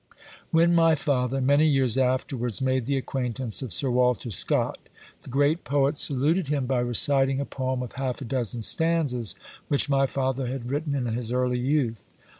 When my father, many years afterwards, made the acquaintance of Sir Walter Scott, the great poet saluted him by reciting a poem of half a dozen stanzas which my father had written in his early youth.